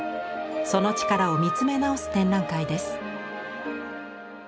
その力を見つめ直す展覧会です。